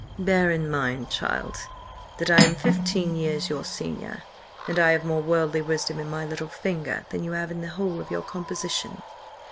"Bear in mind, child, that I am fifteen years your senior, and I have more worldly wisdom in my little finger than you have in the whole of your composition.